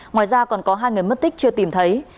ngoài ra còn có hai người mất tích chưa tìm thấy